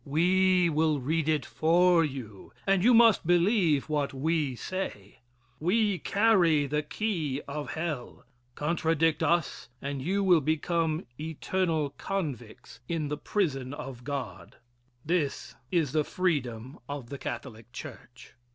We will read it for you, and you must believe what we say. We carry the key of hell. Contradict us and you will become eternal convicts in the prison of God." This is the freedom of the Catholic Church.